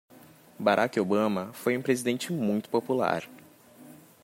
Barack Obama foi um presidente muito popular.